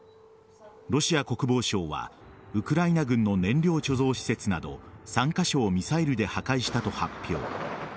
ロシア国防省はウクライナ軍の燃料貯蔵施設など３カ所をミサイルで破壊したと発表。